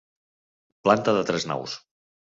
Planta de tres naus.